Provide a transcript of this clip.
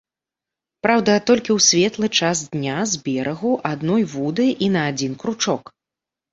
Праўда, толькі ў светлы час дня, з берагу, адной вудай і на адзін кручок.